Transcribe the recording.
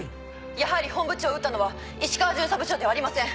やはり本部長を撃ったのは石川巡査部長ではありません。